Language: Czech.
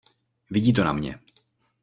Vidí to na mně.